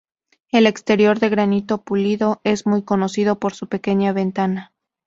El exterior de granito pulido es muy conocido por su pequeña ventana.